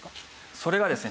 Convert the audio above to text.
それがですね